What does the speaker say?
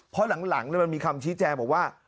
เพราะหลังมันมีคำชี้แจงบอกว่า